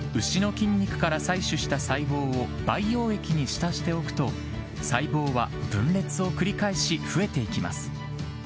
牛の筋肉から採取した細胞を培養液に浸しておくと、細胞は分裂を繰り返し、増えていきます。